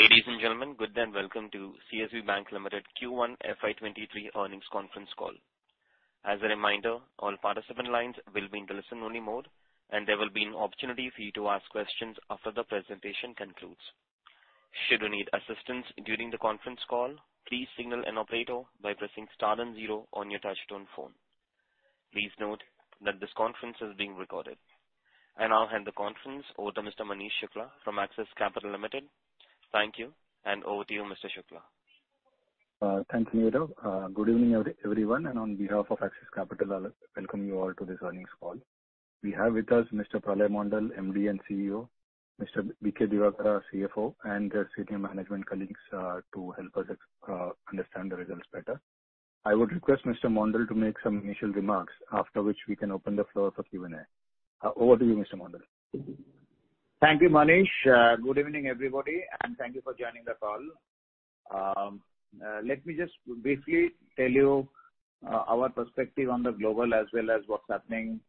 Ladies and gentlemen, good day and welcome to CSB Bank Limited Q1 FY 2023 earnings conference call. As a reminder, all participant lines will be in listen-only mode, and there will be an opportunity for you to ask questions after the presentation concludes. Should you need assistance during the conference call, please signal an operator by pressing star and zero on your touchtone phone. Please note that this conference is being recorded. I now hand the conference over to Mr. Manish Shukla from Axis Capital Limited. Thank you, and over to you, Mr. Shukla. Thanks, Nirav. Good evening, everyone, and on behalf of Axis Capital, I welcome you all to this earnings call. We have with us Mr. Pralay Mondal, MD and CEO, Mr. B.K. Divakara, CFO, and their senior management colleagues to help us understand the results better. I would request Mr. Mondal to make some initial remarks, after which we can open the floor for Q&A. Over to you, Mr. Mondal. Thank you, Manish. Good evening, everybody, and thank you for joining the call. Let me just briefly tell you our perspective on the global as well as what's happening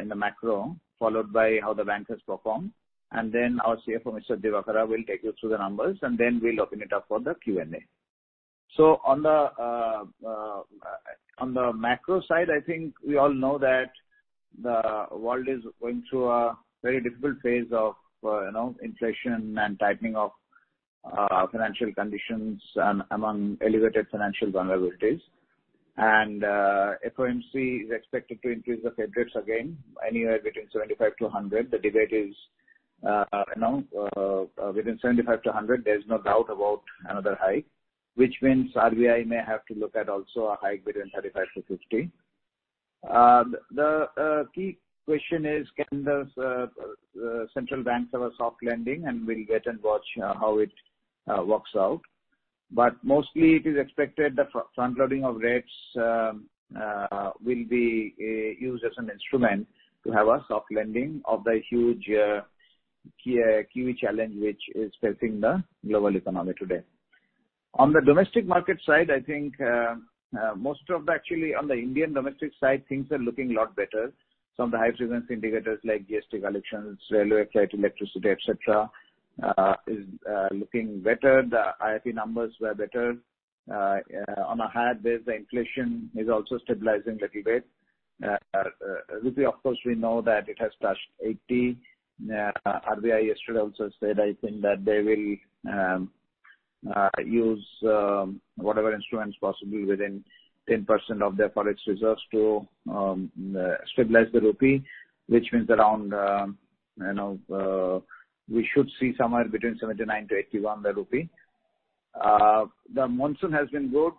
in the macro, followed by how the bank has performed. Our CFO, Mr. Divakara, will take you through the numbers, and then we'll open it up for the Q&A. On the macro side, I think we all know that the world is going through a very difficult phase of you know, inflation and tightening of financial conditions and among elevated financial vulnerabilities. FOMC is expected to increase the Fed rates again anywhere between 75-100. The debate is, you know, within 75-100, there's no doubt about another hike, which means RBI may have to look at also a hike between 35-50. The key question is can those central banks have a soft landing, and we'll wait and watch how it works out. Mostly it is expected the front loading of rates will be used as an instrument to have a soft landing of the huge key challenge which is facing the global economy today. On the domestic market side, I think, most of the actually on the Indian domestic side, things are looking a lot better. Some of the high-frequency indicators like GST collections, railway freight, electricity, etc., is looking better. The IIP numbers were better. On a higher base, the inflation is also stabilizing little bit. Rupee of course, we know that it has touched 80. RBI yesterday also said, I think that they will use whatever instruments possible within 10% of their forex reserves to stabilize the rupee, which means around, you know, we should see somewhere between 79 to 81 the rupee. The monsoon has been good.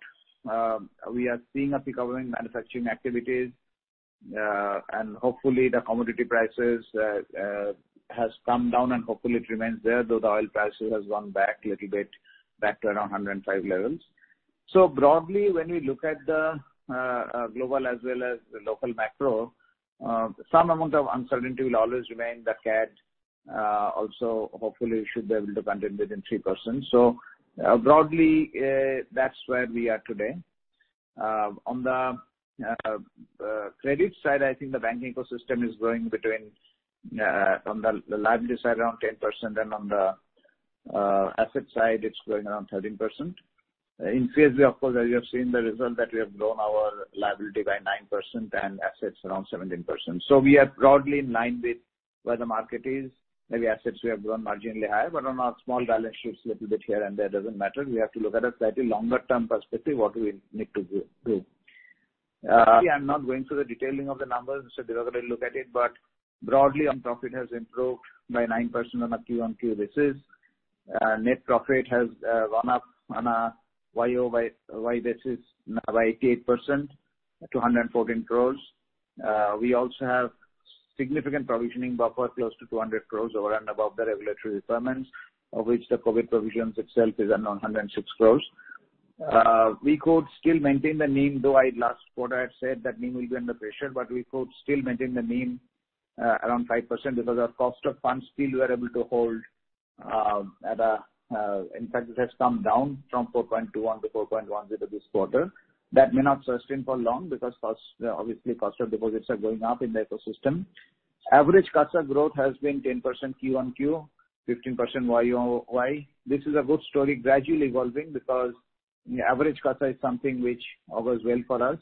We are seeing a recovery in manufacturing activities, and hopefully the commodity prices has come down and hopefully it remains there, though the oil prices has gone back little bit back to around 105 levels. Broadly, when we look at the global as well as the local macro, some amount of uncertainty will always remain. The CAD also hopefully should be able to contain within 3%. Broadly, that's where we are today. On the credit side, I think the banking ecosystem is growing between on the liability side around 10% and on the asset side it's growing around 13%. In CSB of course, as you have seen the result that we have grown our liability by 9% and assets around 17%. We are broadly in line with where the market is. Maybe assets we have grown marginally higher, but on our small balance sheets little bit here and there doesn't matter. We have to look at a slightly longer-term perspective what we need to do. I'm not going through the detailing of the numbers, Mr. Divakara will look at it. Broadly, profit has improved by 9% on a quarter-on-quarter basis. Net profit has gone up on a YOY basis by 88% to 114 crore. We also have significant provisioning buffer close to 200 crore over and above the regulatory requirements, of which the COVID provisions itself is around 106 crore. We could still maintain the NIM, though last quarter I said that NIM will be under pressure, but we could still maintain the NIM around 5% because our cost of funds still we are able to hold. In fact it has come down from 4.21 to 4.10 this quarter. That may not sustain for long because cost, obviously cost of deposits are going up in the ecosystem. Average CASA growth has been 10% Q on Q, 15% YOY. This is a good story gradually evolving because average CASA is something which augurs well for us.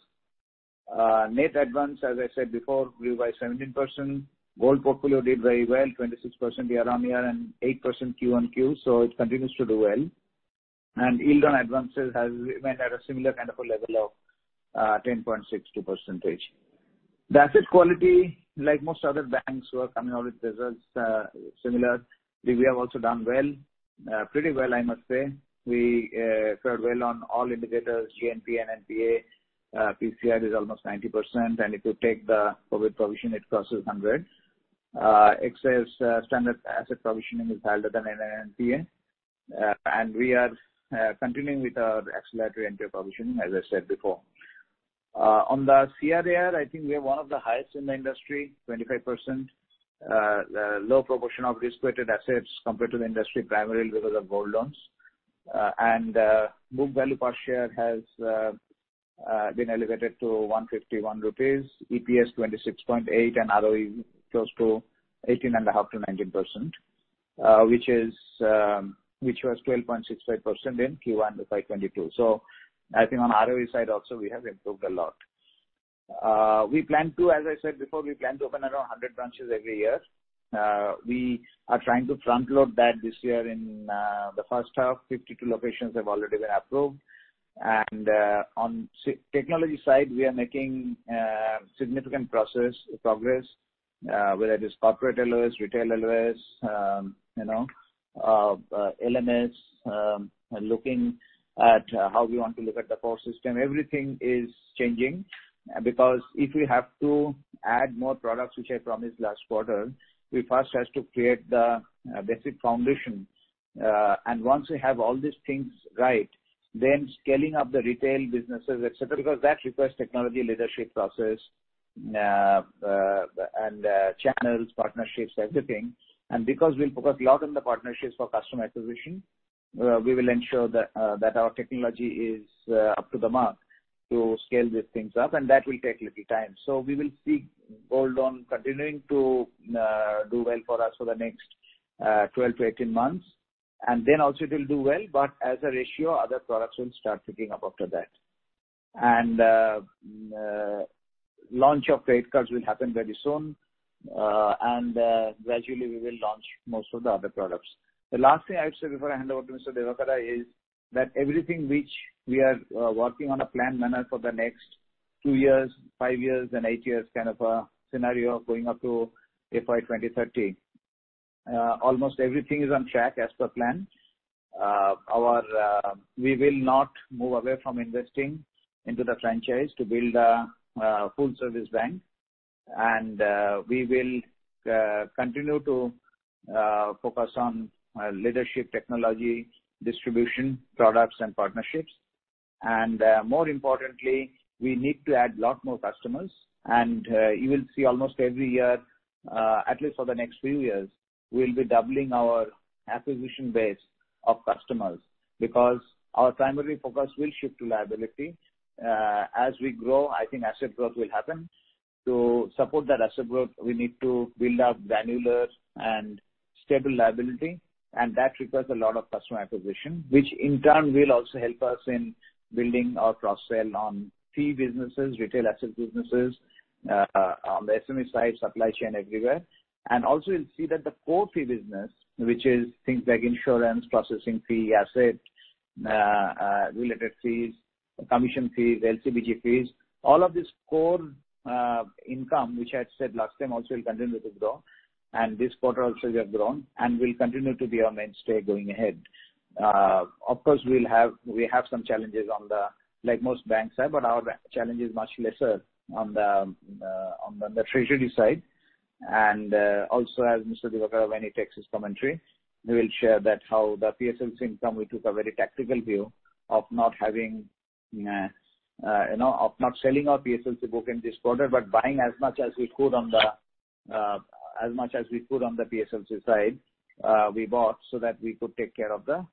Net advance, as I said before, grew by 17%. Gold portfolio did very well, 26% year on year and 8% Q on Q, so it continues to do well. Yield on advances has remained at a similar kind of a level of 10.62%. The asset quality, like most other banks who are coming out with results, similarly, we have also done well. Pretty well, I must say. We fared well on all indicators, GNPA and NPA. PCR is almost 90%, and if you take the COVID provision it crosses 100%. Excess standard asset provisioning is higher than NPA. We are continuing with our accelerated NPA provisioning, as I said before. On the CRAR, I think we are one of the highest in the industry, 25%. Low proportion of risk-weighted assets compared to the industry, primarily because of gold loans. Book value per share has been elevated to 151 rupees, EPS 26.8%, and ROE close to 18.5%-19%, which was 12.65% in Q1 of FY 2022. I think on ROE side also we have improved a lot. We plan to, as I said before, we plan to open around 100 branches every year. We are trying to front load that this year in the first half. 52 locations have already been approved. On the technology side, we are making significant progress, whether it is corporate LOS, retail LOS, you know, LMS, looking at how we want to look at the core system. Everything is changing because if we have to add more products, which I promised last quarter, we first has to create the basic foundation. Once we have all these things right, then scaling up the retail businesses, etc., because that requires technology, leadership, process, and channels, partnerships, everything. Because we'll focus a lot on the partnerships for customer acquisition, we will ensure that that our technology is up to the mark to scale these things up, and that will take little time. We will see gold loan continuing to do well for us for the next 12-18 months. Then also it will do well, but as a ratio, other products will start picking up after that. Launch of credit cards will happen very soon. And gradually we will launch most of the other products. The last thing I would say before I hand over to Mr. Divakar is that everything which we are working on a planned manner for the next two years, five years and eight years kind of a scenario going up to FY 2030. Almost everything is on track as per plan. We will not move away from investing into the franchise to build a full service bank. We will continue to focus on leadership, technology, distribution, products and partnerships. More importantly, we need to add a lot more customers. You will see almost every year, at least for the next few years, we'll be doubling our acquisition base of customers because our primary focus will shift to liability. As we grow, I think asset growth will happen. To support that asset growth, we need to build up granular and stable liability, and that requires a lot of customer acquisition, which in turn will also help us in building our cross-sell on fee businesses, retail asset businesses, on the SME side, supply chain, everywhere. Also you'll see that the core fee business, which is things like insurance, processing fee, asset related fees, commission fees, LC/BG fees, all of this core income, which I had said last time also will continue to grow. This quarter also we have grown and will continue to be our mainstay going ahead. Of course, we have some challenges on the, like most banks have, but our challenge is much lesser on the treasury side. Also as Mr. B. K. Divakara, when he takes his commentary, we will share that how the PSLC income. We took a very tactical view of not selling our PSLC book in this quarter, but buying as much as we could on the PSLC side. We bought so that we could take care of the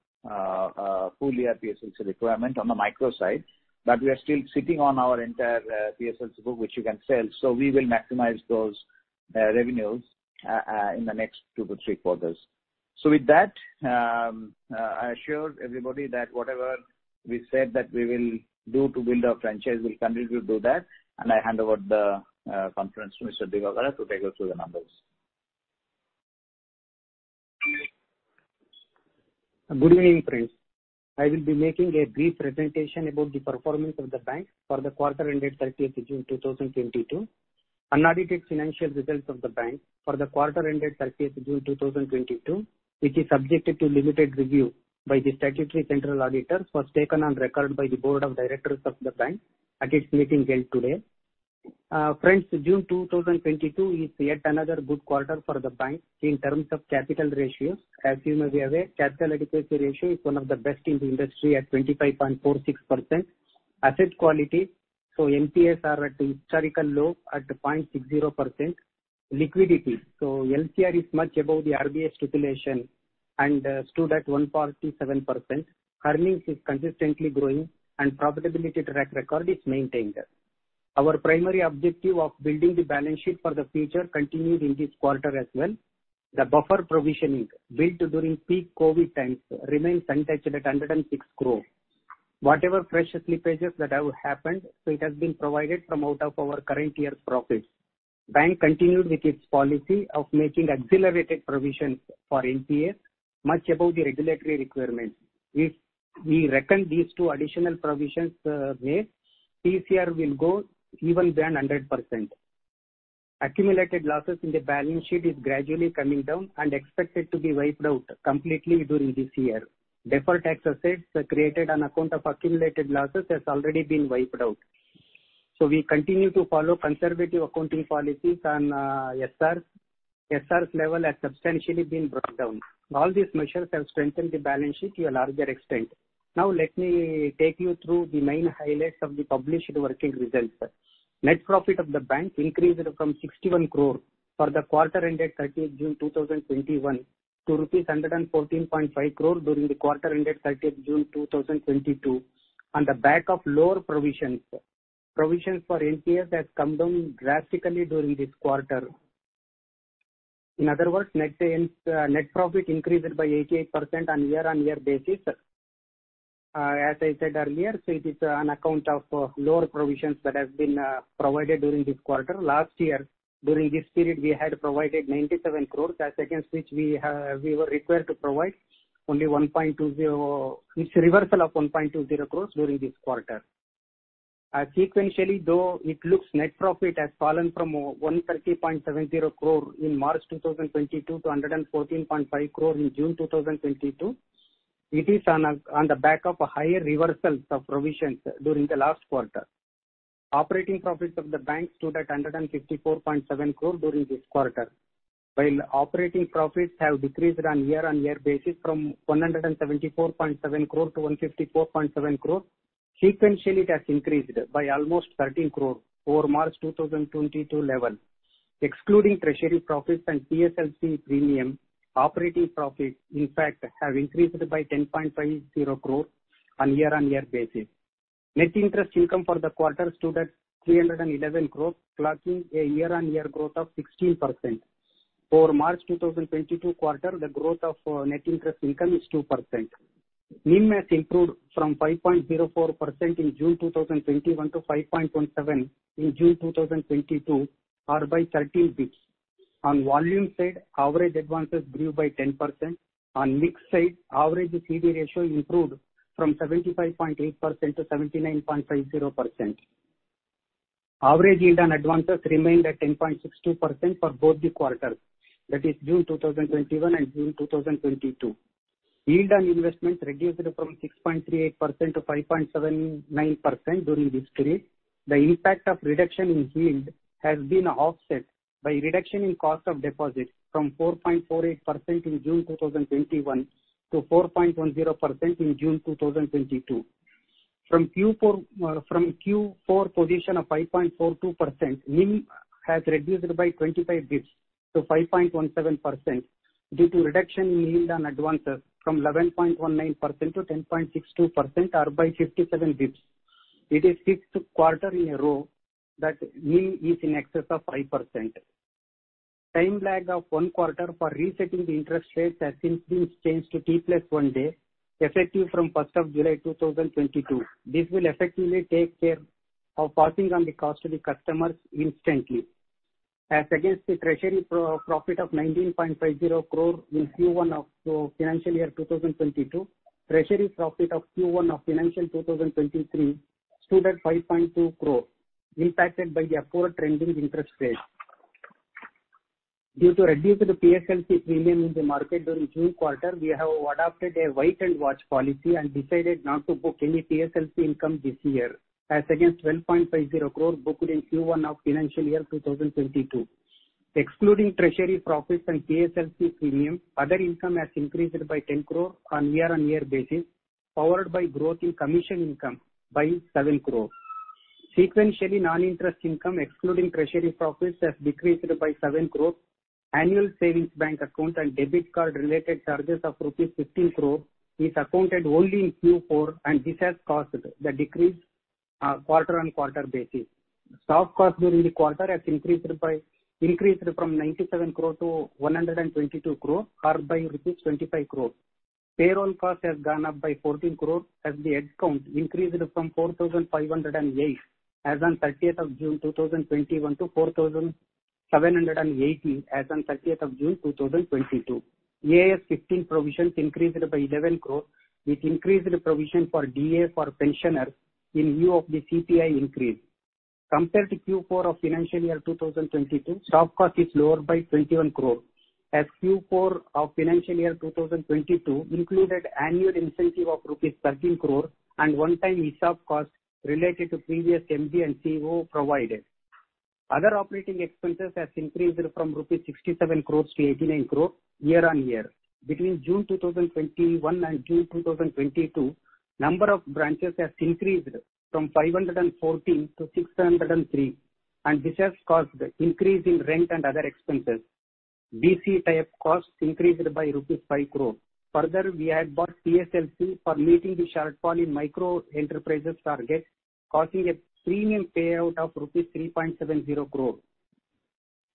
full year PSLC requirement on the micro side. We are still sitting on our entire PSLC book, which you can sell. We will maximize those revenues in the next two to three quarters. With that, I assure everybody that whatever we said that we will do to build our franchise, we'll continue to do that. I hand over the conference to Mr. B. K. Divakara to take us through the numbers. Good evening, friends. I will be making a brief presentation about the performance of the bank for the quarter ended June 30th, 2022. Unaudited financial results of the bank for the quarter ended June 30th, 2022, which is subjected to limited review by the statutory central auditor, was taken on record by the board of directors of the bank at its meeting held today. Friends, June 2022 is yet another good quarter for the bank in terms of capital ratios. As you may be aware, capital adequacy ratio is one of the best in the industry at 25.46%. Asset quality, so NPAs are at historical low at 0.60%. Liquidity, so LCR is much above the RBI stipulation and stood at 147%. Earnings is consistently growing and profitability track record is maintained. Our primary objective of building the balance sheet for the future continued in this quarter as well. The buffer provisioning built during peak COVID times remains untouched at 106 crore. Whatever pressure slippages that have happened, it has been provided from out of our current year's profits. Bank continued with its policy of making accelerated provisions for NPA much above the regulatory requirements. If we reckon these two additional provisions made, PCR will go even beyond 100%. Accumulated losses in the balance sheet is gradually coming down and expected to be wiped out completely during this year. Deferred tax assets created on account of accumulated losses has already been wiped out. We continue to follow conservative accounting policies and SR's level has substantially been brought down. All these measures have strengthened the balance sheet to a larger extent. Now let me take you through the main highlights of the published working results. Net profit of the bank increased from 61 crore for the quarter ended June 30th, 2021 to rupees 114.5 crore during the quarter ended June 30th, 2022 on the back of lower provisions. Provisions for NPAs has come down drastically during this quarter. In other words, net profit increased by 88% on year-on-year basis. As I said earlier, so it is on account of lower provisions that have been provided during this quarter. Last year, during this period, we had provided 97 crore as against which we were it is a reversal of 1.20 crore during this quarter. Sequentially, though, it looks net profit has fallen from 130.70 crore in March 2022 to 114.5 crore in June 2022. It is on on the back of higher reversals of provisions during the last quarter. Operating profits of the bank stood at 154.7 crore during this quarter. While operating profits have decreased on year-on-year basis from 174.7 crore to 154.7 crore, sequentially it has increased by almost 13 crore over March 2022 level. Excluding treasury profits and PSLC premium, operating profits in fact have increased by 10.50 crore on year-on-year basis. Net interest income for the quarter stood at 311 crore, clocking a year-on-year growth of 16%. For March 2022 quarter, the growth of net interest income is 2%. NIM has improved from 5.04% in June 2021 to 5.17% in June 2022, or by 13 basis points. On volume side, average advances grew by 10%. On mix side, average CD ratio improved from 75.8% to 79.50%. Average yield on advances remained at 10.62% for both the quarters, that is June 2021 and June 2022. Yield on investments reduced from 6.38% to 5.79% during this period. The impact of reduction in yield has been offset by reduction in cost of deposits from 4.48% in June 2021 to 4.10% in June 2022. From Q4 position of 5.42%, NIM has reduced by 25 basis points to 5.17% due to reduction in yield on advances from 11.19% to 10.62% or by 57 basis points. It is sixth quarter in a row that NIM is in excess of 5%. Time lag of one quarter for resetting the interest rates has since been changed to T+1 day, effective from first of July 2022. This will effectively take care of passing on the cost to the customers instantly. As against the treasury pro-profit of 19.50 crore in Q1 of financial year 2022, treasury profit of Q1 of financial year 2023 stood at 5.2 crore, impacted by the upward trending interest rates. Due to reduced PSLC premium in the market during June quarter, we have adopted a wait and watch policy and decided not to book any PSLC income this year, as against 12.50 crore booked in Q1 of financial year 2022. Excluding treasury profits and PSLC premium, other income has increased by 10 crore on year-on-year basis, powered by growth in commission income by 7 crore. Sequentially, non-interest income excluding treasury profits has decreased by 7 crore. Annual savings bank account and debit card related charges of rupees 15 crore is accounted only in Q4, and this has caused the decrease, quarter-on-quarter basis. Staff cost during the quarter has increased from 97 crore to 122 crore or by rupees 25 crore. Payroll cost has gone up by 14 crore as the head count increased from 4,508 crore as on June 30th, 2021 to 4,780 crore as on June 30th, 2022. AS 15 provisions increased by 11 crore with increased provision for DA for pensioners in lieu of the CPI increase. Compared to Q4 of financial year 2022, staff cost is lower by 21 crore, as Q4 of financial year 2022 included annual incentive of rupees 13 crore and one-time ESOP cost related to previous MD and CEO provided. Other operating expenses has increased from rupees 67 crore to 89 crore year-on-year. Between June 2021 and June 2022, number of branches has increased from 514 to 603, and this has caused increase in rent and other expenses. BC type costs increased by rupees 5 crore. Further, we had bought PSLC for meeting the shortfall in micro enterprises targets, causing a premium payout of rupees 3.70 crore.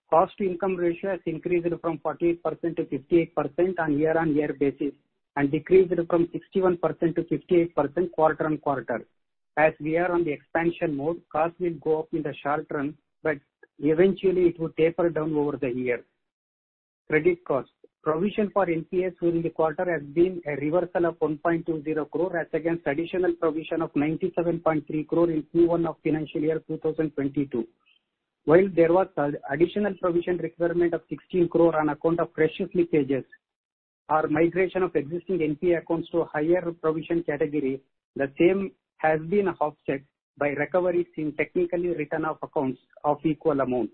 Cost-to-income ratio has increased from 48% to 58% on year-on-year basis, and decreased from 61% to 58% quarter-on-quarter. As we are on the expansion mode, costs will go up in the short run, but eventually it will taper down over the year. Credit cost. Provision for NPAs during the quarter has been a reversal of 1.20 crore as against additional provision of 97.3 crore in Q1 of financial year 2022. While there was additional provision requirement of 16 crore on account of process leakages or migration of existing NPA accounts to a higher provision category, the same has been offset by recoveries in technically written off accounts of equal amount.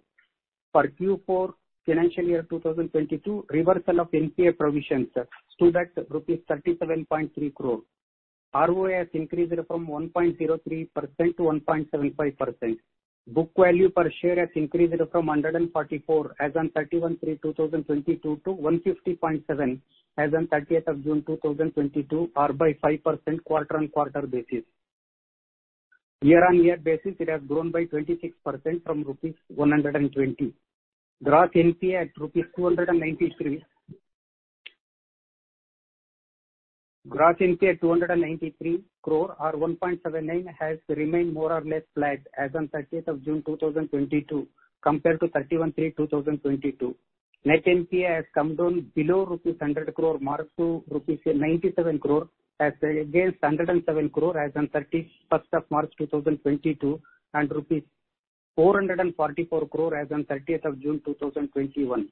For Q4, financial year 2022, reversal of NPA provisions stood at rupees 37.3 crore. ROA has increased from 1.03% to 1.75%. Book value per share has increased from 144 as on March 31, 2022 to 150.7 as on June 30th, 2022 or by 5% quarter-on-quarter basis. Year-on-year basis, it has grown by 26% from rupees 120. Gross NPA at 293 crore or 1.79% has remained more or less flat as on thirtieth of June 2022 compared to March 31, 2022. Net NPA has come down below the rupees 100 crore mark to rupees 97 crore as against 107 crore as on March 31, 2022, and rupees 444 crore as on June 30th, 2021.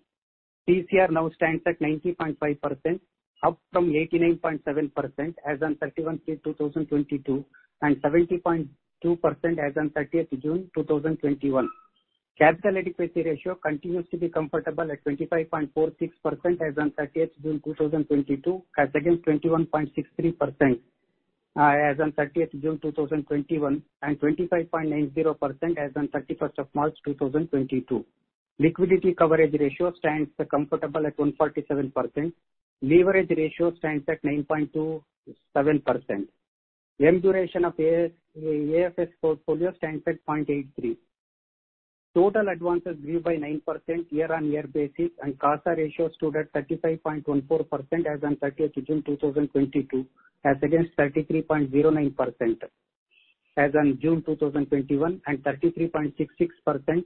PCR now stands at 90.5%, up from 89.7% as on March 31, 2022, and 70.2% as on June 30th, 2021. Capital adequacy ratio continues to be comfortable at 25.46% as on June 30th, 2022 as against 21.63% as on June 30th, 2021, and 25.90% as on March 31st, 2022. Liquidity coverage ratio stands comfortable at 147%. Leverage ratio stands at 9.27%. M duration of AFS portfolio stands at 0.83. Total advances grew by 9% year-on-year basis and CASA ratio stood at 35.14% as on June 30th, 2022 as against 33.09% as on June 2021 and 33.66%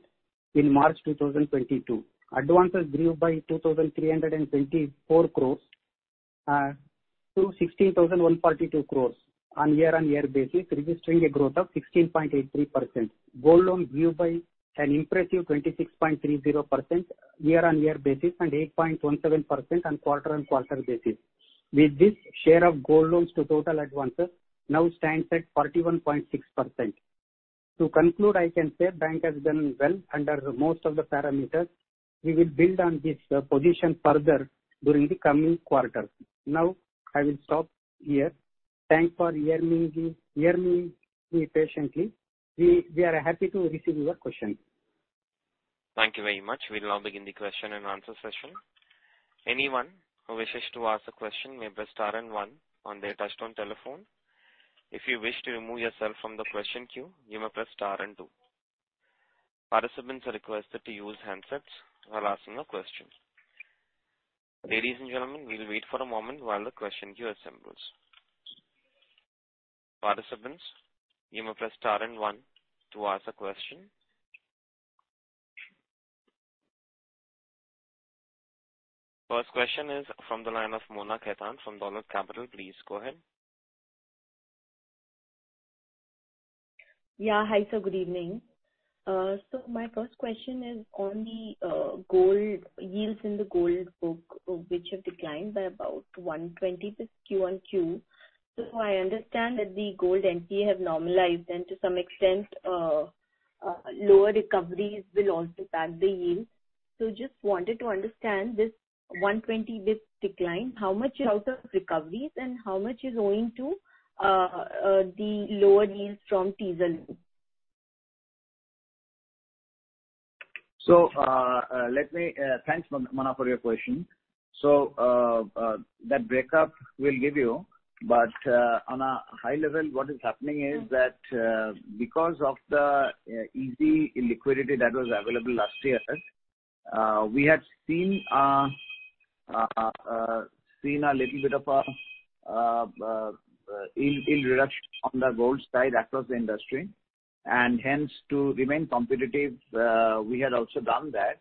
in March 2022. Advances grew by 2,324 crore to 16,142 crore on year-on-year basis, registering a growth of 16.83%. Gold loans grew by an impressive 26.30% year-on-year basis and 8.17% on quarter-on-quarter basis. With this, share of gold loans to total advances now stands at 41.6%. To conclude, I can say bank has done well under most of the parameters. We will build on this position further during the coming quarters. Now, I will stop here. Thanks for hearing me patiently. We are happy to receive your questions. Thank you very much. We'll now begin the question-and-answer session. Anyone who wishes to ask a question may press star and one on their touchtone telephone. If you wish to remove yourself from the question queue, you may press star and two. Participants are requested to use handsets while asking a question. Ladies and gentlemen, we'll wait for a moment while the question queue assembles. Participants, you may press star and one to ask a question. First question is from the line of Mona Khetan from Dolat Capital. Please go ahead. Yeah. Hi, sir. Good evening. My first question is on the gold yields in the gold book, which have declined by about 120 this quarter-on-quarter. I understand that the gold NPAs have normalized and to some extent, lower recoveries will also back the yield. Just wanted to understand this 120 basis points decline, how much is out of recoveries and how much is owing to the lower yields from teaser? Thanks, Mona for your question. That breakup we'll give you, but on a high level, what is happening is that because of the easy liquidity that was available last year, we had seen a little bit of a yield reduction on the gold side across the industry, and hence to remain competitive, we had also done that.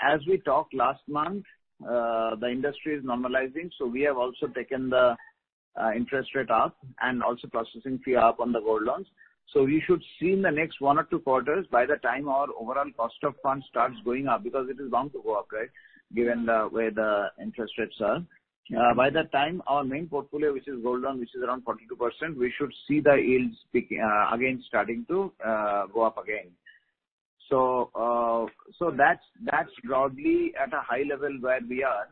As we talked last month, the industry is normalizing, so we have also taken the interest rate up and also processing fee up on the gold loans. We should see in the next one or two quarters by the time our overall cost of funds starts going up because it is bound to go up, right? Given where the interest rates are. By that time our main portfolio, which is gold loan, which is around 42%, we should see the yields pick up again starting to go up again. That's broadly at a high level where we are.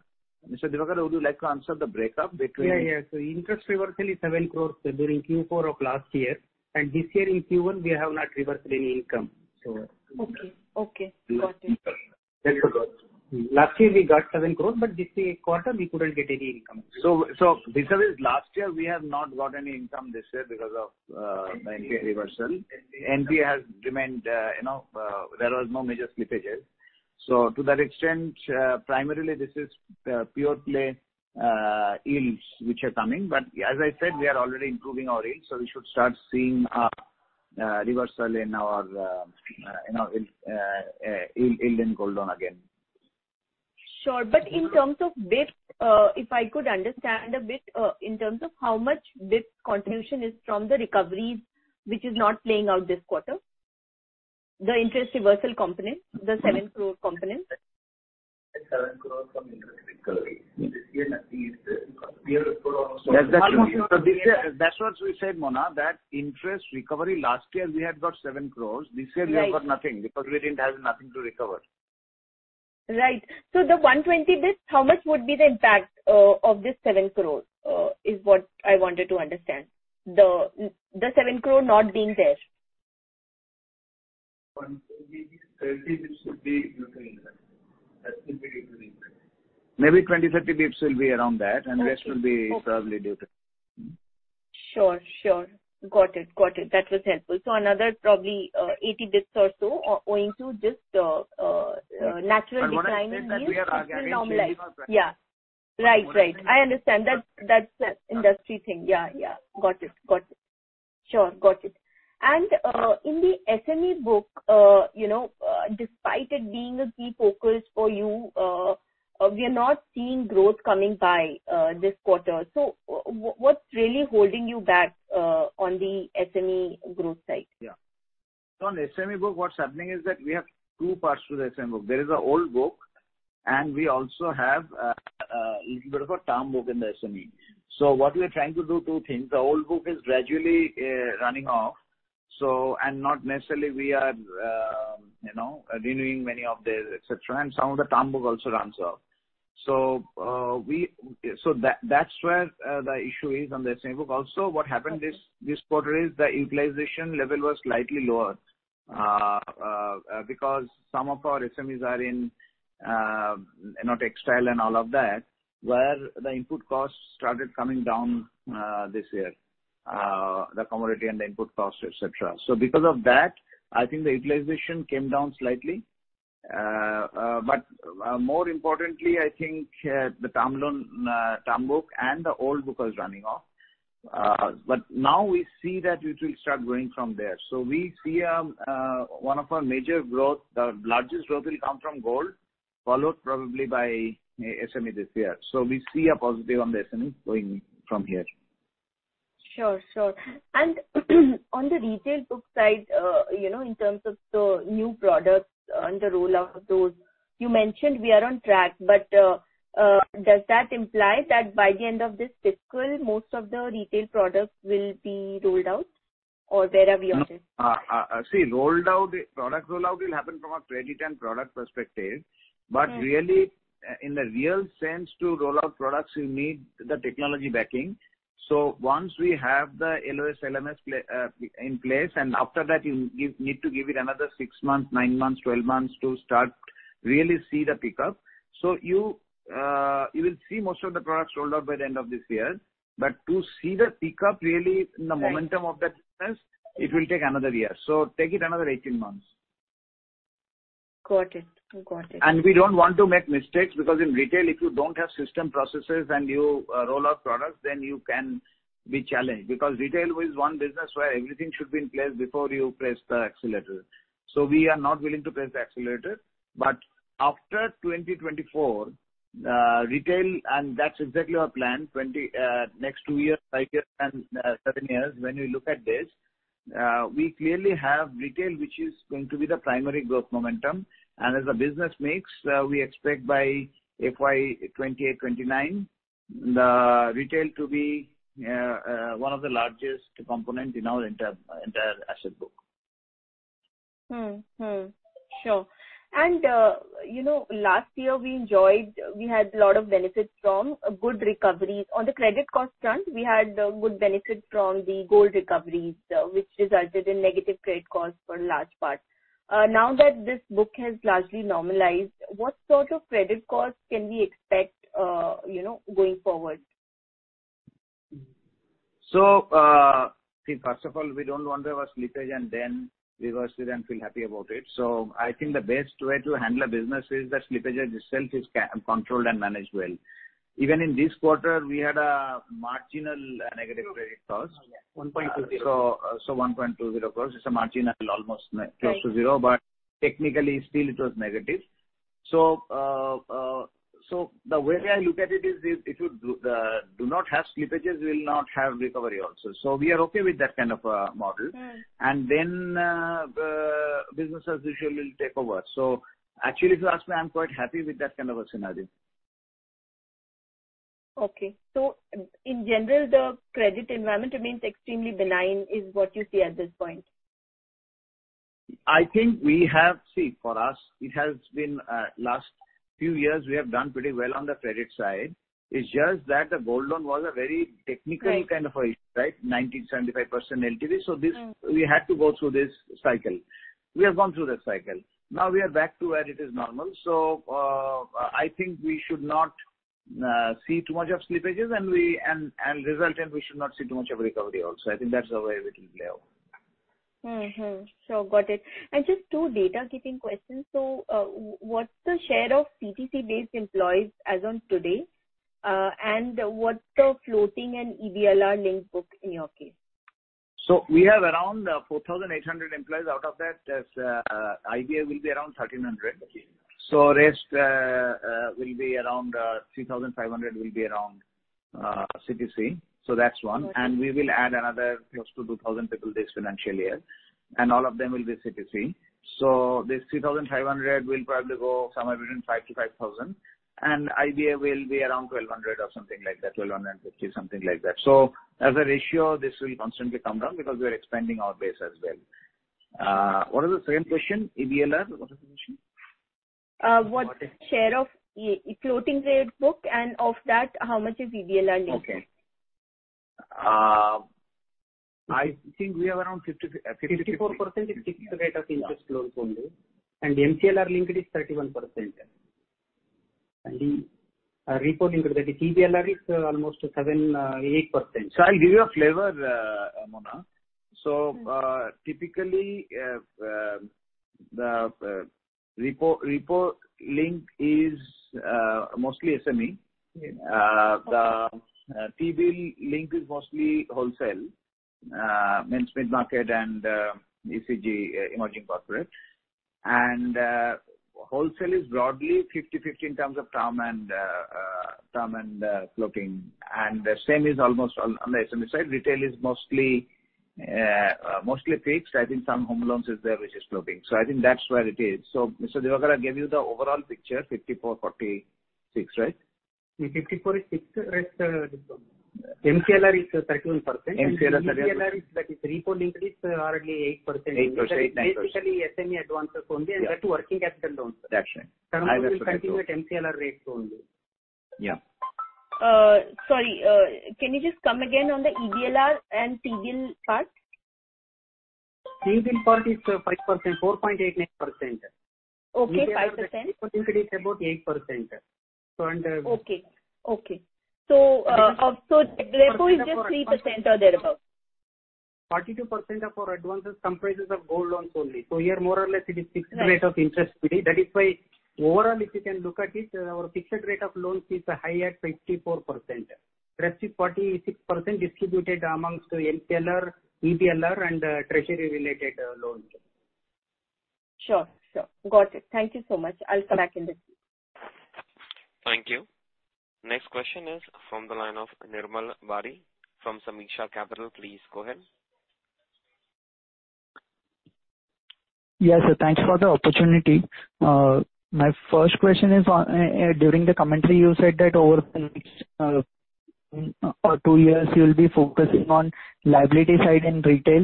Mr. Divakar, would you like to answer the breakup between- Yeah, yeah. Interest reversal is 7 crore during Q4 of last year, and this year in Q1 we have not reversed any income. Okay. Got it. That's correct. Last year we got 7 crore, but this quarter we couldn't get any income. Because last year we have not got any income this year because of the NPA reversal. NPA has remained, you know, there was no major slippages. To that extent, primarily this is pure play yields which are coming. But as I said, we are already improving our yield, so we should start seeing a reversal in our yield in gold loan again. Sure. If I could understand a bit, in terms of how much its contribution is from the recoveries, which is not playing out this quarter. The interest reversal component, the INR 7 crore component. That's what we said, Mona, that interest recovery last year we had got 7 crore. This year we have got nothing because we didn't have nothing to recover. Right. The 120 base, how much would be the impact of this 7 crore is what I wanted to understand. The 7 crore not being there. Maybe 20, 30 basis points will be around that. Rest will be probably due to. Sure. Got it. That was helpful. Another probably 80 basis points or so are owing to just natural declining yields. Mona, the thing that we are again changing our strategy. Will be normalized. Yeah. Right. I understand. That's the industry thing. Yeah. Got it. Sure. In the SME book, you know, despite it being a key focus for you, we are not seeing growth coming by this quarter. So what's really holding you back on the SME growth side? Yeah. On the SME book, what's happening is that we have two parts to the SME book. There is an old book, and we also have little bit of a term book in the SME. What we are trying to do two things. The old book is gradually running off, and not necessarily we are, you know, renewing many of these, etc., and some of the term book also runs off. We, that's where the issue is on the SME book. Also what happened this quarter is the utilization level was slightly lower, because some of our SMEs are in, you know, textile and all of that, where the input costs started coming down, this year. The commodity and the input cost, etc. Because of that, I think the utilization came down slightly. More importantly, I think the term loan term book and the old book was running off. Now we see that it will start growing from there. We see one of our major growth, the largest growth will come from gold, followed probably by SME this year. We see a positive on the SME going from here. Sure, sure. On the retail book side, you know, in terms of the new products and the rollout of those, you mentioned we are on track. Does that imply that by the end of this fiscal, most of the retail products will be rolled out or where are we on this? Product rollout will happen from a credit and product perspective but really, in the real sense to roll out products, you need the technology backing. Once we have the LOS, LMS in place, and after that need to give it another six months, nine months, 12 months to start really see the pickup. You will see most of the products rolled out by the end of this year. To see the pickup really the momentum of that business, it will take another year. Take it another 18 months. Got it. Got it. We don't want to make mistakes because in retail, if you don't have system processes and you roll out products, then you can be challenged. Because retail is one business where everything should be in place before you press the accelerator. We are not willing to press the accelerator. After 2024, retail and that's exactly our plan, next two years, five years, and seven years, when we look at this, we clearly have retail, which is going to be the primary growth momentum. As a business mix, we expect by FY 2028, 2029, the retail to be one of the largest component in our entire asset book. Sure. You know, last year we had a lot of benefits from good recovery. On the credit cost front, we had good benefit from the gold recoveries, which resulted in negative credit costs for large part. Now that this book has largely normalized, what sort of credit costs can we expect, you know, going forward? First of all, we don't want to have a slippage and then reverse it and feel happy about it. I think the best way to handle a business is that slippage itself is controlled and managed well. Even in this quarter, we had a marginal negative credit cost, so, 1.20 cost. It's a marginal, almost close to zero. Technically, still it was negative. The way I look at it is this, if you do not have slippages, we will not have recovery also. We are okay with that kind of a model. The business as usual will take over. Actually, if you ask me, I'm quite happy with that kind of a scenario. Okay. In general, the credit environment remains extremely benign, is what you see at this point? For us, it has been last few years, we have done pretty well on the credit side. It's just that the Gold loan was a very technical kind of an issue, right? 97% LTV. This, we had to go through this cycle. We have gone through that cycle. Now we are back to where it is normal. I think we should not see too much of slippages and, as a result, we should not see too much of recovery also. I think that's the way it will play out. Sure. Got it. Just two housekeeping questions. What's the share of CTC-based employees as on today? And what's the floating and EBLR linked book in your case? We have around 4,800 employees. Out of that, IBA will be around 1,300. Rest will be around 3,500 CTC. That's one. We will add another close to 2,000 people this financial year, and all of them will be CTC. This 3,500 will probably go somewhere between 4,500 to 5,000, and IBA will be around 1,200 or something like that. 1,250, something like that. As a ratio, this will constantly come down because we are expanding our base as well. What is the second question? EBLR? What share of e-floating rate book, and of that, how much is EBLR linked? Okay. I think we have around 54% is fixed rate of interest loan only, and MCLR linked is 31%. The repo linked, that is TBLR, is almost 7%-8%. I'll give you a flavor, Mona. Typically, the repo-linked is mostly SME. The T-bill link is mostly wholesale, means mid-market and ECG, emerging corporate. Wholesale is broadly 50/50 in term and floating. The same is almost on the SME side. Retail is mostly fixed. I think some home loans is there, which is floating. I think that's where it is. B. K. Divakara gave you the overall picture,54/46, right? 54 is fixed, rest is floating. MCLR is 13%. TBLR is, that is repo linked is hardly 8%. Basically SME advances only, and that too working capital loans. Term loans will continue MCLR rates only. Yeah. Sorry. Can you just come again on the EBLR and T-bill part? T-bill part is 5%, 4.8%. I think it is about 8%. 42% of our advances comprises of gold loans only. Here, more or less, it is fixed. Rate of interest we take. That is why overall, if you can look at it, our fixed rate of loans is high at 54%. Rest is 46% distributed amongst MCLR, EBLR and treasury related loans. Sure. Got it. Thank you so much. I'll come back in this. Thank you. Next question is from the line of Nirmal Bari from Sameeksha Capital. Please go ahead. Yes, sir. Thanks for the opportunity. My first question is on during the commentary you said that over the next two years you'll be focusing on liability side and retail.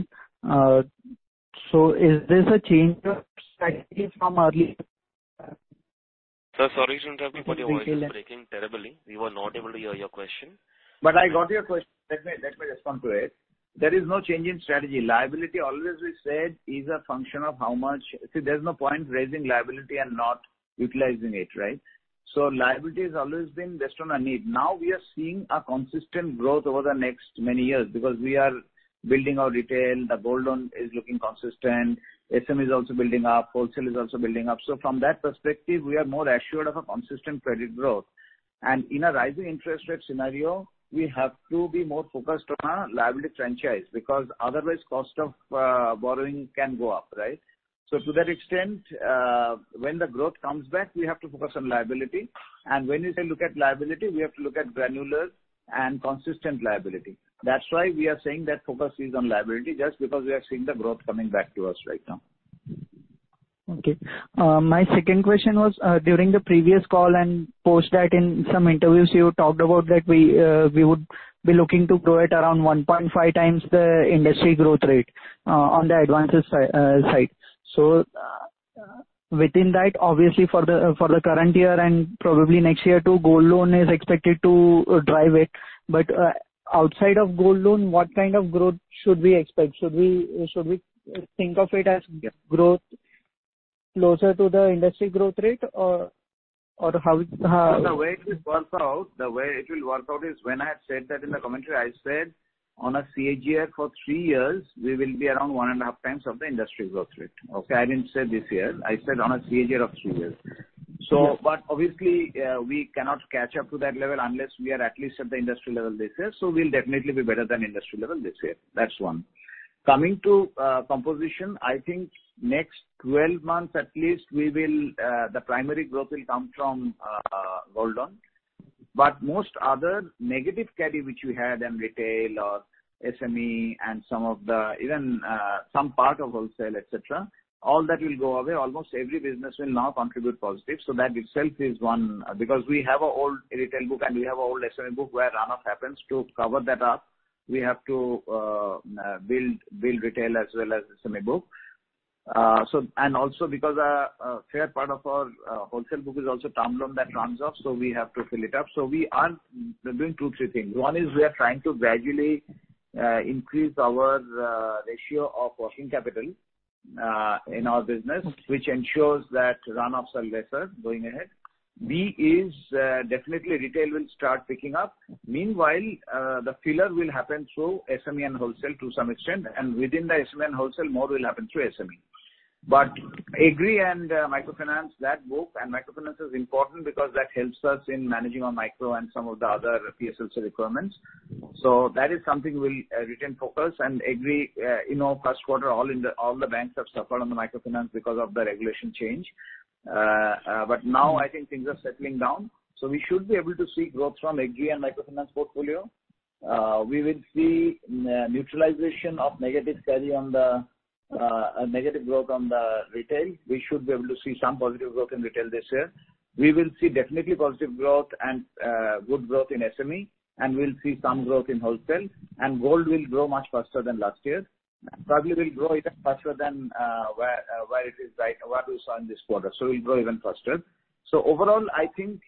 Is this a change of strategy from early? Sir, sorry to interrupt you, but your voice is breaking terribly. We were not able to hear your question. I got your question. Let me respond to it. There is no change in strategy. Liability, always we said, is a function of how much. See, there's no point raising liability and not utilizing it, right? Liability has always been based on a need. Now we are seeing a consistent growth over the next many years because we are building our retail. The gold loan is looking consistent. SME is also building up. Wholesale is also building up. From that perspective, we are more assured of a consistent credit growth. In a rising interest rate scenario, we have to be more focused on our liability franchise because otherwise cost of borrowing can go up, right? To that extent, when the growth comes back, we have to focus on liability. When we say look at liability, we have to look at granular and consistent liability. That's why we are saying that focus is on liability, just because we are seeing the growth coming back to us right now. My second question was, during the previous call and post that in some interviews you talked about that we would be looking to grow at around 1.5x the industry growth rate, on the advances side. Within that, obviously for the current year and probably next year too, gold loan is expected to drive it. Outside of gold loan, what kind of growth should we expect? Should we think of it as growth closer to the industry growth rate or how? The way it will work out is when I said that in the commentary, I said on a CAGR for three years, we will be around 1.5x Of the industry growth rate. Okay? I didn't say this year. I said on a CAGR of three years. Obviously, we cannot catch up to that level unless we are at least at the industry level this year. We'll definitely be better than industry level this year. That's one. Coming to composition, I think next 12 months at least, the primary growth will come from, gold loan. But most other negative carry which we had in retail or SME and some of the, even, some part of wholesale, etc., all that will go away. Almost every business will now contribute positive. That itself is one. Because we have an old retail book and we have an old SME book where run-off happens. To cover that up, we have to build retail as well as SME book. Because a fair part of our wholesale book is also term loan that runs off, so we have to fill it up. We are doing two, three things. One is we are trying to gradually increase our ratio of working capital in our business, which ensures that run-offs are lesser going ahead. B is, definitely retail will start picking up. Meanwhile, the filling will happen through SME and wholesale to some extent, and within the SME and wholesale more will happen through SME. Agri and microfinance, that book and microfinance is important because that helps us in managing our micro and some of the other PSLC requirements. That is something we'll retain focus and agree, you know, first quarter, all the banks have suffered on the microfinance because of the regulation change. Now I think things are settling down, we should be able to see growth from agri and microfinance portfolio. We will see neutralization of negative carry on the negative growth on the retail. We should be able to see some positive growth in retail this year. We will see definitely positive growth and good growth in SME and we'll see some growth in wholesale, and gold will grow much faster than last year. Probably will grow even faster than where it is right. What we saw in this quarter, so we'll grow even faster. Overall, I think,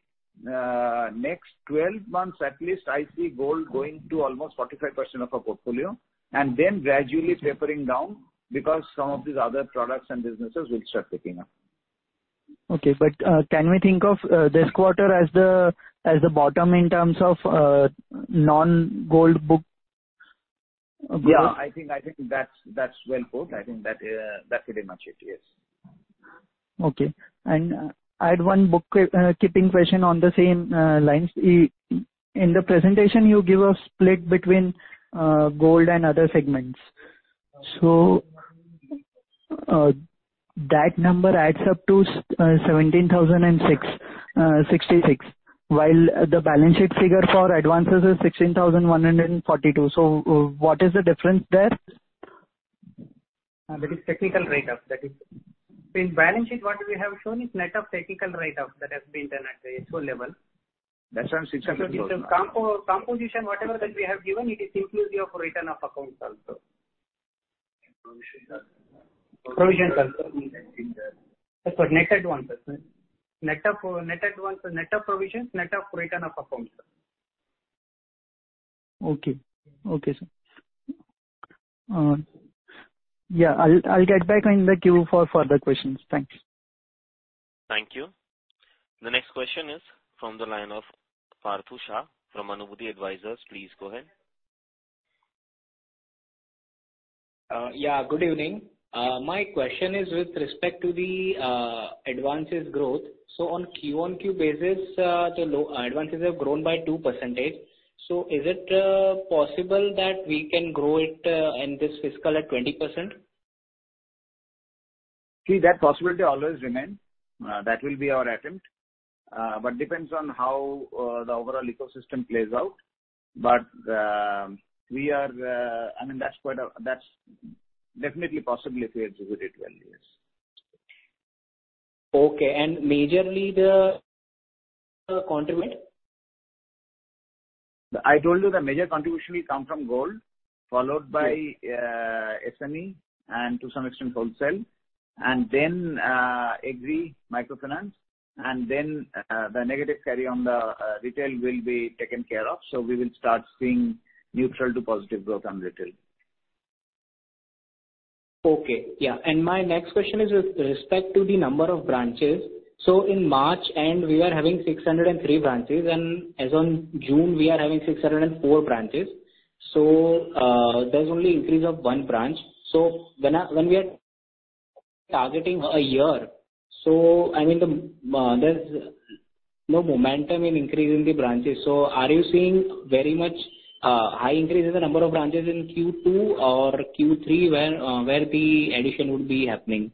next 12 months at least, I see gold going to almost 45% of our portfolio and then gradually tapering down because some of these other products and businesses will start picking up. Okay, can we think of this quarter as the bottom in terms of non-gold book growth? Yeah, I think that's well put. I think that that's pretty much it. Yes. Okay. I had one bookkeeping question on the same lines. In the presentation you give a split between gold and other segments. That number adds up to 17,666, while the balance sheet figure for advances is 16,142. What is the difference there? That is technical write-off. In balance sheet, what we have shown is net of technical write-off that has been done at the HO level. The composition, whatever that we have given it is inclusive of written off accounts also. Provision, sir, sorry, net advances, net of provisions, net of written off accounts. Okay, sir. Yeah, I'll get back in the queue for further questions. Thanks. Thank you. The next question is from the line of Parth Shah from Anubhuti Advisors. Please go ahead. Yeah. Good evening. My question is with respect to the advances growth. On Q-on-Q basis, the advances have grown by 2%. Is it possible that we can grow it in this fiscal at 20%? See, that possibility always remain. That will be our attempt, but depends on how the overall ecosystem plays out. I mean, that's definitely possible if we execute well. Yes. Okay. Majorly the contribute? I told you the major contribution will come from gold followed by SME and to some extent wholesale, and then, agri, microfinance, and then, the negative carry on the retail will be taken care of. We will start seeing neutral to positive growth on retail. Okay. Yeah. My next question is with respect to the number of branches. In March end we are having 603 branches, and as on June we are having 604 branches. There's only increase of 1 branch. When we are targeting a year, I mean, there's no momentum in increase in the branches. Are you seeing very much high increase in the number of branches in Q2 or Q3 where the addition would be happening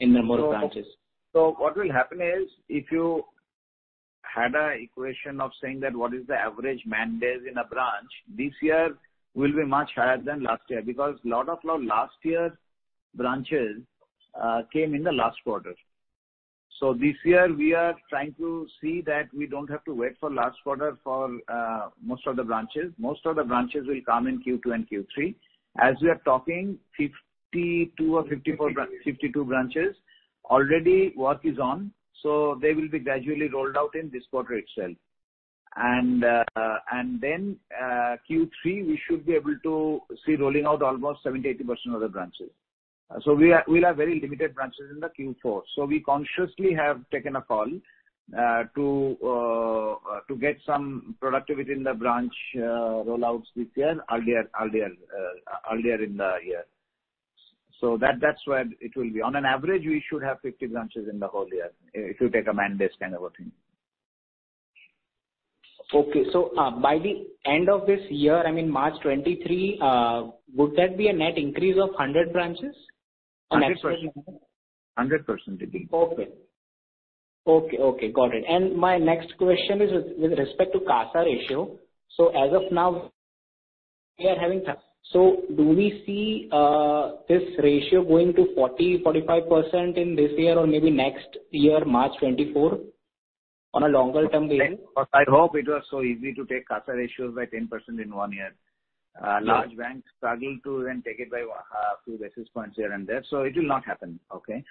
in number of branches? What will happen is, if you had a equation of saying that what is the average man days in a branch, this year will be much higher than last year because lot of our last year branches came in the last quarter. This year we are trying to see that we don't have to wait for last quarter for most of the branches. Most of the branches will come in Q2 and Q3. As we are talking, 52 branches already work is on, so they will be gradually rolled out in this quarter itself. Q3 we should be able to see rolling out almost 70%-80% of the branches. We'll have very limited branches in the Q4. We consciously have taken a call to get some productivity in the branch rollouts this year earlier in the year. That's where it will be. On an average, we should have 50 branches in the whole year if you take a man days kind of a thing. By the end of this year, I mean March 2023, would that be a net increase of 100 branches on average? 100% it will be. Okay. Got it. My next question is with respect to CASA ratio. As of now we are having so do we see this ratio going to 40%-45% in this year or maybe next year, March 2024 on a longer-term basis? I hope it was so easy to take CASA ratios by 10% in one year large banks struggle to even take it by few basis points here and there, so it will not happen. Okay?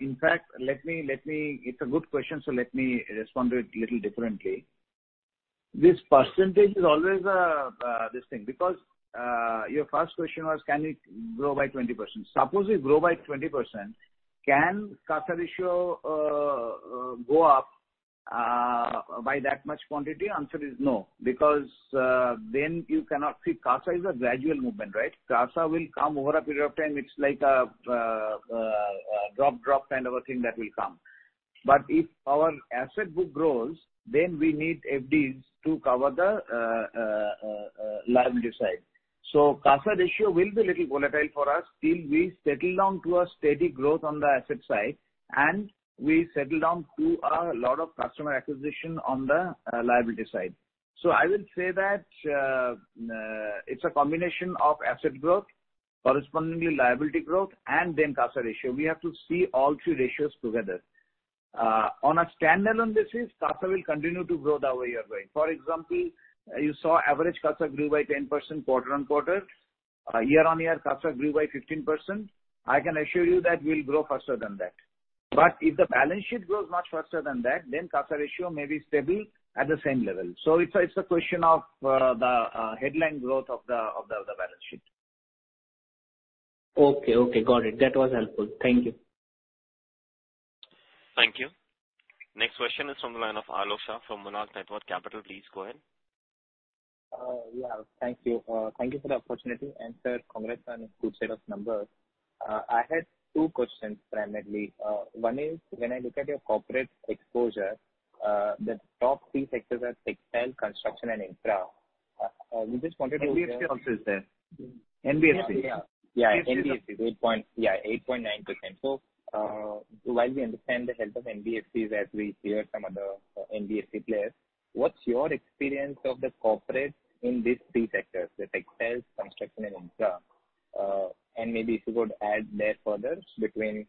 In fact, it's a good question, so let me respond to it little differently. This percentage is always this thing because your first question was can it grow by 20%? Suppose we grow by 20%, can CASA ratio go up by that much quantity? Answer is no, because then you cannot. See, CASA is a gradual movement, right? CASA will come over a period of time. It's like a drop kind of a thing that will come. If our asset book grows, then we need FD to cover the liability side. CASA ratio will be little volatile for us till we settle down to a steady growth on the asset side and we settle down to a lot of customer acquisition on the, liability side. I will say that, it's a combination of asset growth, correspondingly liability growth, and then CASA ratio. We have to see all three ratios together. On a standalone basis, CASA will continue to grow the way you are going. For example, you saw average CASA grew by 10% quarter-on-quarter. Year-on-year, CASA grew by 15%. I can assure you that we'll grow faster than that. If the balance sheet grows much faster than that, then CASA ratio may be stable at the same level. It's a question of the headline growth of the balance sheet. Okay. Got it. That was helpful. Thank you. Thank you. Next question is from the line of Aalok Shah from Monarch Networth Capital. Please go ahead. Yeah, thank you. Thank you for the opportunity. Sir, congrats on a good set of numbers. I had two questions primarily. One is when I look at your corporate exposure, the top three sectors are textile, construction and infra. NBFC also is there. NBFC. 8.9%. While we understand the help of NBFCs as we hear some of the NBFC players, what's your experience of the corporate in these three sectors, the textiles, construction and infra? And maybe if you could add there further between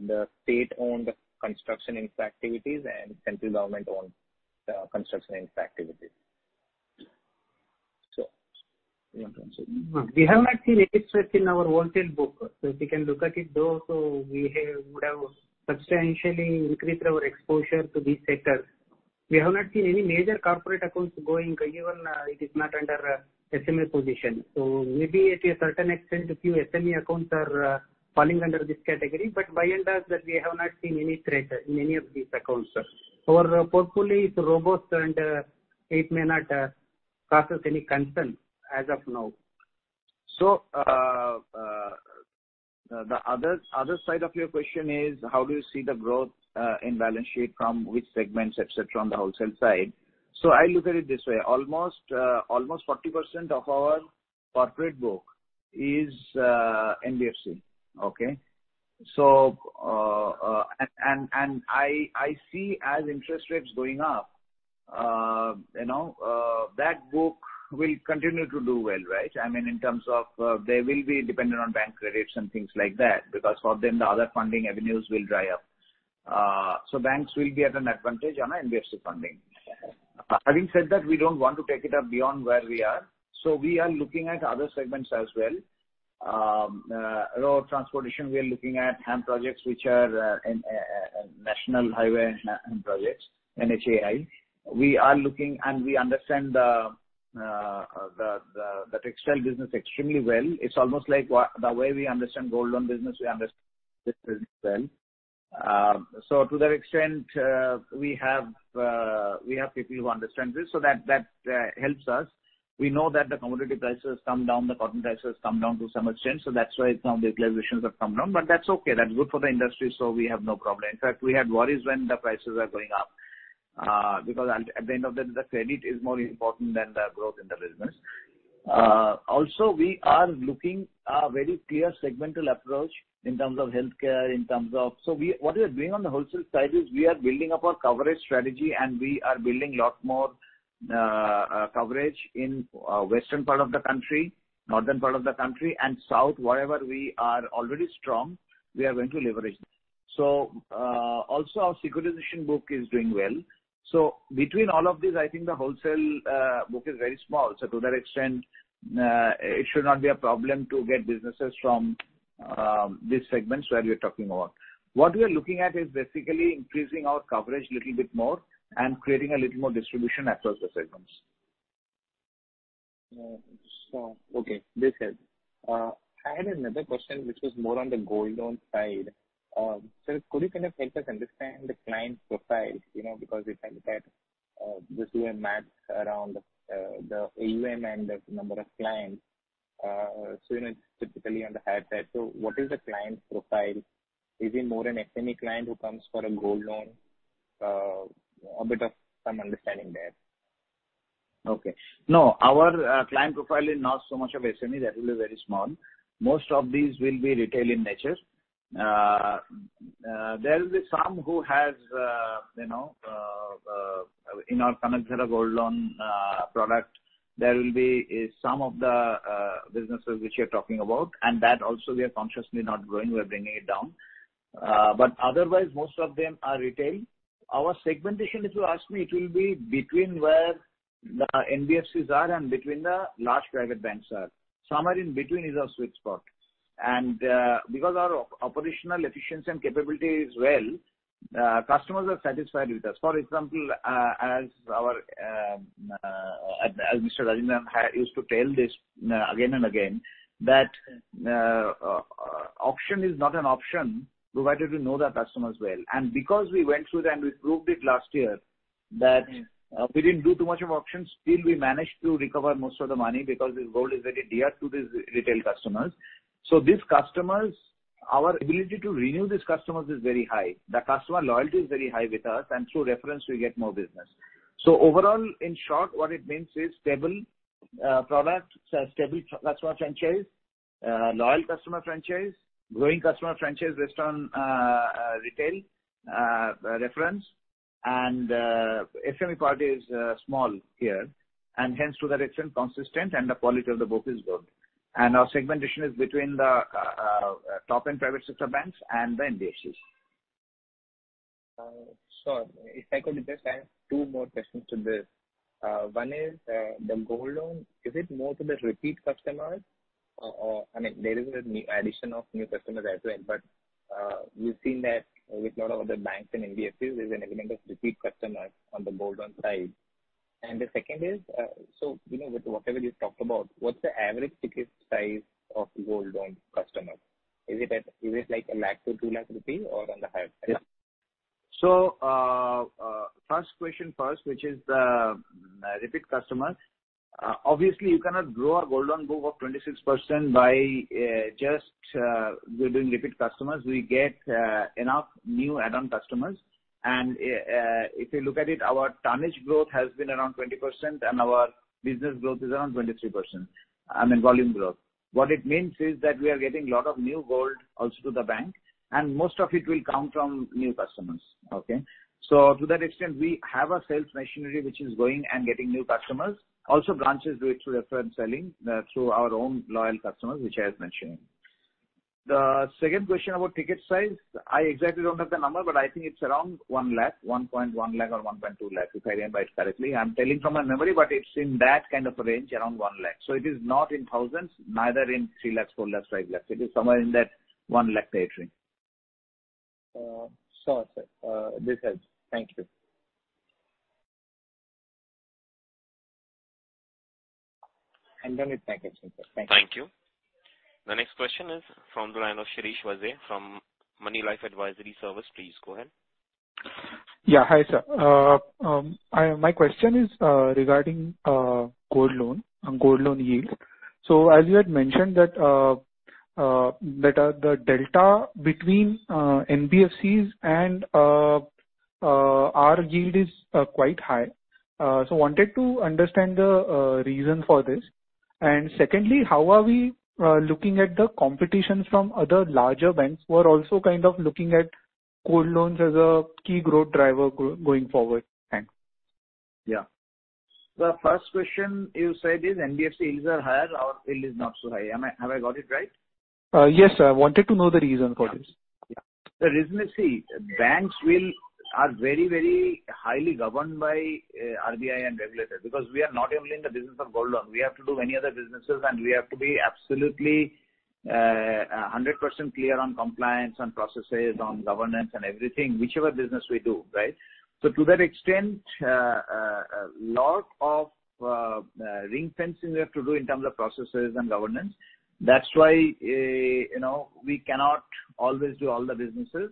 the state-owned construction infra activities and central government-owned construction infra activities. We have not seen any stress in our wholesale book. If you can look at it though, we would have substantially increased our exposure to these sectors. We have not seen any major corporate accounts going, even it is not under SME position. Maybe at a certain extent a few SME accounts are falling under this category. By and large that we have not seen any stress in any of these accounts, sir. Our portfolio is robust, and it may not cause us any concern as of now. The other side of your question is how do you see the growth in balance sheet from which segments, etc., on the wholesale side? I look at it this way. Almost 40% of our corporate book is NBFC. Okay? I see as interest rates going up, you know, that book will continue to do well, right? I mean, in terms of, they will be dependent on bank credits and things like that, because for them, the other funding avenues will dry up. Banks will be at an advantage on NBFC funding. Having said that, we don't want to take it up beyond where we are. We are looking at other segments as well. Road transportation, we are looking at HAM projects which are National Highways and HAM projects, NHAI. We are looking and we understand the textile business extremely well. It's almost like the way we understand gold loan business, we understand this business well. To that extent, we have people who understand this, so that helps us. We know that the commodity prices come down, the cotton prices come down to some extent. That's why some default provisions have come down. That's okay. That's good for the industry, so we have no problem. In fact, we had worries when the prices were going up, because at the end of the day, the credit is more important than the growth in the business. Also we are taking a very clear segmental approach in terms of healthcare, in terms of. What we are doing on the wholesale side is we are building up our coverage strategy and we are building a lot more coverage in western part of the country, northern part of the country and south. Wherever we are already strong, we are going to leverage. Also our securitization book is doing well. Between all of these, I think the wholesale book is very small. To that extent, it should not be a problem to get businesses from these segments where we are talking about. What we are looking at is basically increasing our coverage little bit more and creating a little more distribution across the segments. Okay. This helps. I had another question which was more on the gold loan side. Could you kind of help us understand the client profile? You know, because we kind of had this math around the AUM and the number of clients, you know, it's typically on the higher side. What is the client profile? Is it more an SME client who comes for a gold loan? A bit of some understanding there. Okay. No, our client profile is not so much of SME. That will be very small. Most of these will be retail in nature. There will be some who has you know in our Kanakadhara gold loan product. There will be some of the businesses which you're talking about, and that also we are consciously not growing. We are bringing it down. But otherwise most of them are retail. Our segmentation, if you ask me, it will be between where the NBFCs are and between the large private banks are. Somewhere in between is our sweet spot. Because our operational efficiency and capability is well, customers are satisfied with us. For example, as Mr. Rajendran used to tell this again and again, that auction is not an option, provided we know the customers well. Because we went through that and we proved it last year. We didn't do too much of auctions, still we managed to recover most of the money because this gold is very dear to these retail customers. Our ability to renew these customers is very high. The customer loyalty is very high with us, and through reference we get more business. Overall, in short, what it means is stable product, stable customer franchise, loyal customer franchise, growing customer franchise based on retail reference and SME part is small here and hence to that extent consistent and the quality of the book is good. Our segmentation is between the top and private sector banks and the NBFCs. If I could just add two more questions to this. One is the gold loan, is it more to the repeat customers or, I mean, there is a new addition of new customers as well, but we've seen that with a lot of other banks and NBFCs, there is an element of repeat customers on the gold loan side. The second is, you know, with whatever you talked about, what's the average ticket size of gold loan customers? Is it like 1 lakh-2 lakh rupees or on the higher side? Yes, first question first, which is the repeat customers. Obviously you cannot grow a gold loan book of 26% by just doing repeat customers. We get enough new add-on customers. If you look at it, our tonnage growth has been around 20% and our business growth is around 23%, I mean, volume growth. What it means is that we are getting lot of new gold also to the bank, and most of it will come from new customers. Okay? To that extent, we have a sales machinery which is going and getting new customers. Also, branches do it through reference selling, through our own loyal customers, which I was mentioning. The second question about ticket size, I exactly don't have the number, but I think it's around 1 lakh, 1.1 lakh or 1.2 lakhs, if I remember it correctly. I'm telling from my memory, but it's in that kind of range, around 1 lakh. It is not in thousands, neither in 3 lakhs, 4 lakhs, 5 lakhs. It is somewhere in that 1 lakh range. Sure, sir. This helps. Thank you. I'm done with my questions, sir. Thank you. Thank you. The next question is from the line of [Shirish Patel] from Moneylife Advisory Services. Please go ahead. Yeah. Hi, sir. My question is regarding gold loan and gold loan yield. As you had mentioned that the delta between NBFCs and our yield is quite high. Wanted to understand the reason for this. Secondly, how are we looking at the competition from other larger banks who are also kind of looking at gold loans as a key growth driver going forward? Thanks. Yeah. The first question you said is NBFC yields are higher, our yield is not so high. Have I got it right? Yes, sir. Wanted to know the reason for this. The reason is, see, banks are very, very highly governed by RBI and regulators because we are not only in the business of gold loan, we have to do many other businesses, and we have to be absolutely 100% clear on compliance, on processes, on governance and everything, whichever business we do, right? To that extent, lot of ring fencing we have to do in terms of processes and governance. That's why, you know, we cannot always do all the businesses,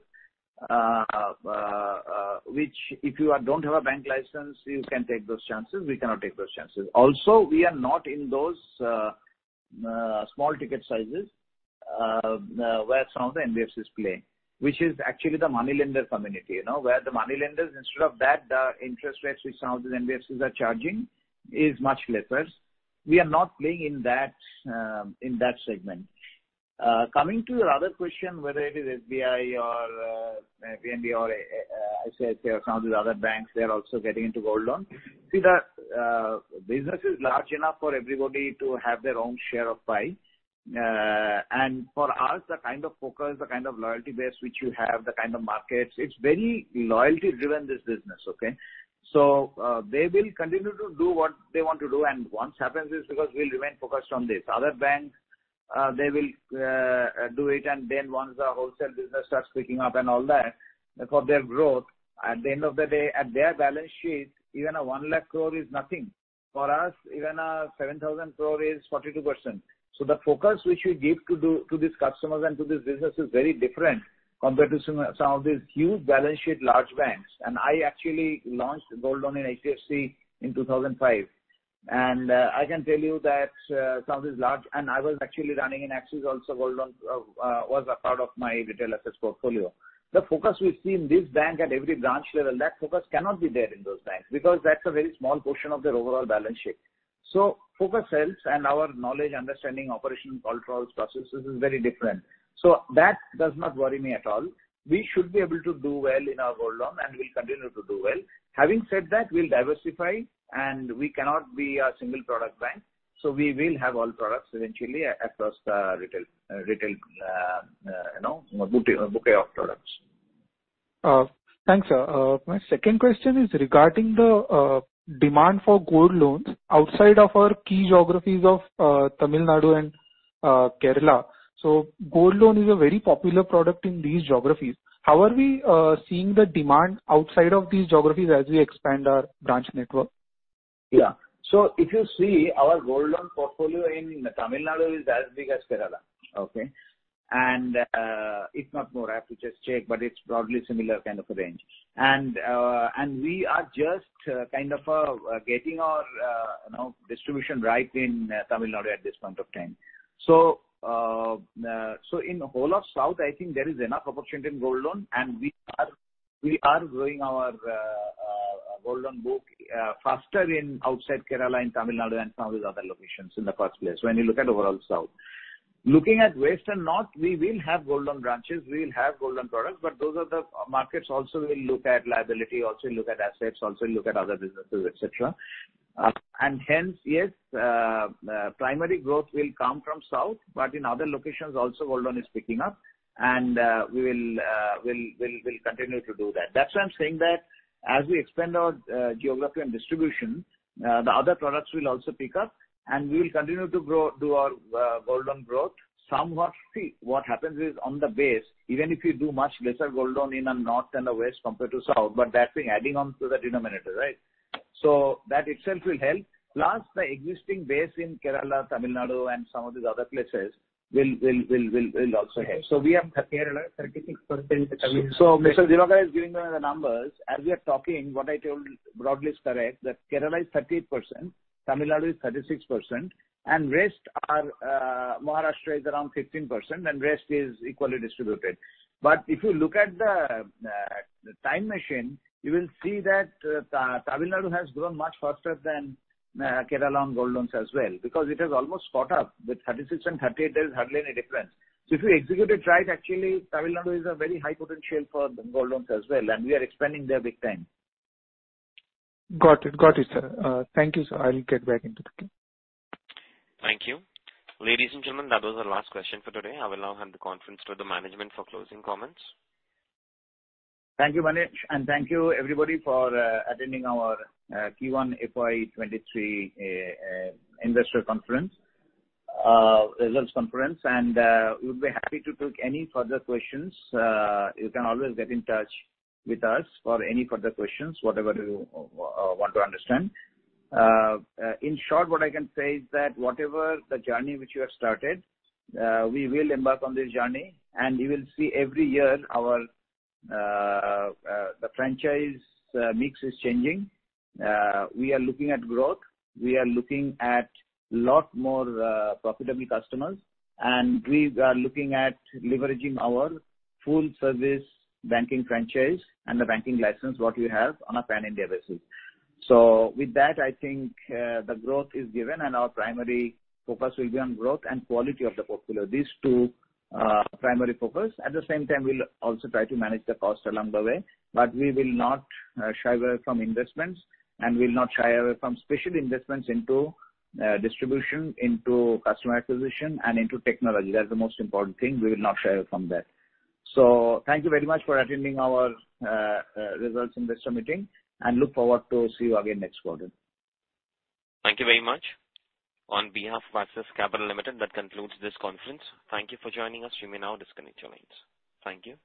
which if you don't have a bank license, you can take those chances. We cannot take those chances. Also, we are not in those small ticket sizes, where some of the NBFCs play, which is actually the money lender community. You know, where the money lenders instead of that, the interest rates which some of these NBFCs are charging is much lesser. We are not playing in that, in that segment. Coming to your other question, whether it is SBI or, PNB or, ICICI or some of these other banks, they are also getting into gold loan. See, the, business is large enough for everybody to have their own share of pie. For us, the kind of focus, the kind of loyalty base which you have, the kind of markets, it's very loyalty-driven, this business, okay? They will continue to do what they want to do and what happens is because we'll remain focused on this. Other banks, they will do it and then once the wholesale business starts picking up and all that, for their growth, at the end of the day, at their balance sheet, even a 1 lakh crore is nothing. For us, even 7,000 crore is 42%. The focus which we give to these customers and to this business is very different compared to some of these huge balance sheet large banks. I actually launched gold loan in HDFC in 2005. I can tell you that some of these large and I was actually running in Axis also gold loan was a part of my retail assets portfolio. The focus we see in this bank at every branch level, that focus cannot be there in those banks because that's a very small portion of their overall balance sheet. Focus helps, and our knowledge, understanding, operation, controls, processes is very different. That does not worry me at all. We should be able to do well in our gold loan, and we'll continue to do well. Having said that, we'll diversify and we cannot be a single product bank. We will have all products eventually across retail, you know, bouquet of products. Thanks, sir. My second question is regarding the demand for gold loans outside of our key geographies of Tamil Nadu and Kerala. Gold loan is a very popular product in these geographies. How are we seeing the demand outside of these geographies as we expand our branch network? Yeah. If you see our gold loan portfolio in Tamil Nadu is as big as Kerala. Okay. If not more, I have to just check, but it's broadly similar kind of a range. We are just kind of getting our, you know, distribution right in Tamil Nadu at this point of time. In the whole of South, I think there is enough opportunity in gold loan, and we are growing our gold loan book faster outside Kerala, in Tamil Nadu and some of these other locations in the first place when you look at overall South. Looking at West and North, we will have gold loan branches, we will have gold loan products, but those are the markets also will look at liability, also look at assets, also look at other businesses, etc. Hence, yes, primary growth will come from South, but in other locations also gold loan is picking up and we will continue to do that. That's why I'm saying that as we expand our geography and distribution, the other products will also pick up and we will continue to grow through our gold loan growth. Somewhat, see, what happens is on the base, even if you do much lesser gold loan in the North and the West compared to South, but that's by adding on to the denominator, right? That itself will help. Plus the existing base in Kerala, Tamil Nadu and some of these other places will also help. We have Kerala 36%. Mr. Sijo Varghese is giving me the numbers. As we are talking, what I told broadly is correct, that Kerala is 38%, Tamil Nadu is 36%, and rest are, Maharashtra is around 15%, and rest is equally distributed. If you look at the time machine, you will see that, Tamil Nadu has grown much faster than Kerala on gold loans as well, because it has almost caught up. With 36% and 38%, there is hardly any difference. If you execute it right, actually Tamil Nadu is a very high potential for gold loans as well, and we are expanding there big time. Got it. Got it, sir. Thank you, sir. I will get back into the queue. Thank you. Ladies and gentlemen, that was our last question for today. I will now hand the conference to the management for closing comments. Thank you, Manish, and thank you everybody for attending our Q1 FY 2023 investor conference results conference. We'll be happy to take any further questions. You can always get in touch with us for any further questions, whatever you want to understand. In short, what I can say is that whatever the journey which you have started, we will embark on this journey and you will see every year our franchise mix is changing. We are looking at growth. We are looking at lot more profitable customers. We are looking at leveraging our full service banking franchise and the banking license what we have on a pan-India basis. With that, I think the growth is given and our primary focus will be on growth and quality of the portfolio. These two primary focus. At the same time, we'll also try to manage the cost along the way, but we will not shy away from investments and we'll not shy away from special investments into distribution, into customer acquisition and into technology. That's the most important thing. We will not shy away from that. Thank you very much for attending our results investor meeting, and look forward to see you again next quarter. Thank you very much. On behalf of Axis Capital Limited, that concludes this conference. Thank you for joining us. You may now disconnect your lines. Thank you.